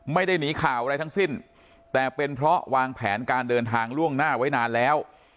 ไม่ได้หนีข่าวอะไรทั้งสิ้นแต่เป็นเพราะวางแผนการเดินทางล่วงหน้าไว้นานแล้ว